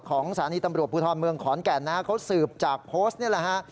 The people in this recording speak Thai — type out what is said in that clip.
ของสารีตำรวจภูทอลเมืองขอนแก่นเขาสืบจากโพสต์นี่แหละฮะ